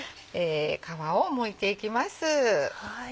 皮をむいていきます。